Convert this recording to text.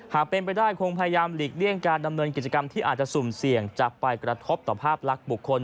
หากเป็นไปได้คงพยายามหลีกเลี่ยงการดำเนินกิจกรรมที่อาจจะสุ่มเสี่ยงจะไปกระทบต่อภาพลักษณ์บุคคล